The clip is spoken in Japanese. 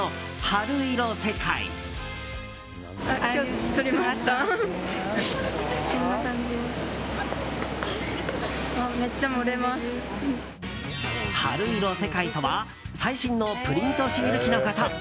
ハルイロセカイとは最新のプリントシール機のこと。